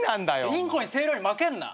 インコに声量負けんな。